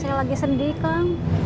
saya lagi sedih kang